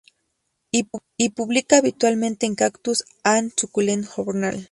Y publica, habitualmente, en Cactus and Succulent Journal.